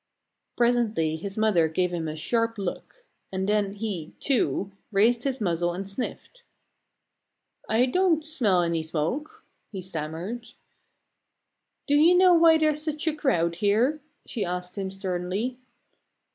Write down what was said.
Presently his mother gave him a sharp look. And then he, too, raised his muzzle and sniffed. "I don't smell any smoke," he stammered. "Do you know why there's such a crowd here?" she asked him sternly.